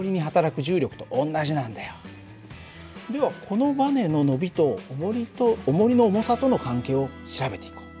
このばねの伸びとおもりの重さとの関係を調べていこう。